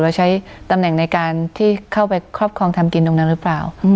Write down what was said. เราใช้ตำแหน่งในการที่เข้าไปครอบครองทำกินตรงนั้นหรือเปล่า